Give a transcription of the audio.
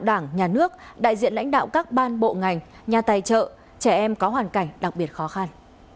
đảng nhà nước đại diện lãnh đạo các ban bộ ngành nhà tài trợ trẻ em có hoàn cảnh đặc biệt khó khăn